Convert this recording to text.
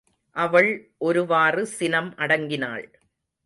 அவள் ஒருவாறு சினம் அடங்கினாள்.